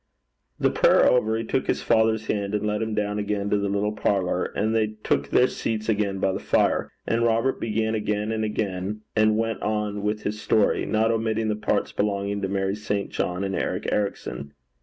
The prayer over, he took his father's hand and led him down again to the little parlour, and they took their seats again by the fire; and Robert began again and went on with his story, not omitting the parts belonging to Mary St. John and Eric Ericson.